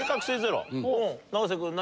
永瀬君何？